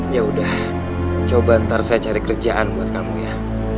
ya udah coba ntar saya cari kerjaan buat kamu ya